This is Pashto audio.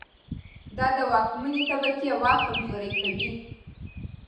دا د واکمنې طبقې واک کمزوری کوي.